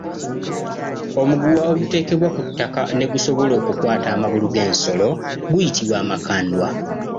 Omuguwa ogutegebwa ku ttaka ne gusobola okukwata amagulu g’ensolo guyitibwa Amakandwa.